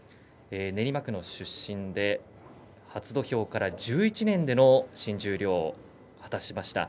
練馬区の出身で初土俵から１１年での新十両を果たしました。